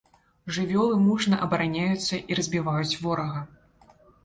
Жывёлы мужна абараняюцца і разбіваюць ворага.